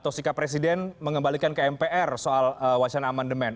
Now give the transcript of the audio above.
atau sikap presiden mengembalikan ke mpr soal wacana amandemen